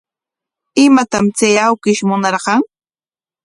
¿Imatam chay awkish munarqan?